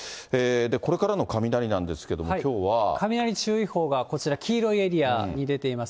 これからの雷なんですけれども、雷注意報がこちら、黄色いエリアに出ています。